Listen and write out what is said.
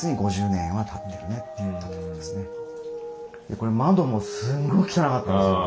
これ窓もすごい汚かったんですよ。